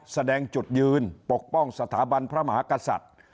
แสดงจุดยืนปกป้องสถาบันพระมหากษัตริย์